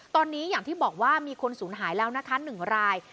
ตอนนี้อย่างที่บอกว่ามีคนสูญหายแล้วนะคะ๑ราย